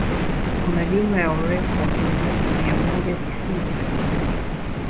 Kuna jumla ya urefu wa kilomita mia moja tisini na mbili